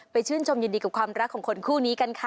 ชื่นชมยินดีกับความรักของคนคู่นี้กันค่ะ